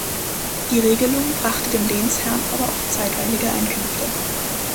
Die Regelung brachte dem Lehnsherrn aber auch zeitweilige Einkünfte.